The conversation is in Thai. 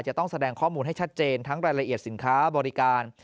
จะต้องแสดงข้อมูลให้ชัดเจนทั้งรายละเอียดสินค้าบริการ